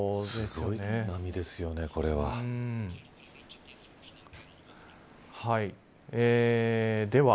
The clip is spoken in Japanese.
すごい波ですよね、これは。